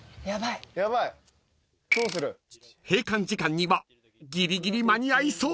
［閉館時間にはギリギリ間に合いそう］